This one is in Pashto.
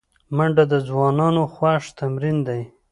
منډه د ځوانانو خوښ تمرین دی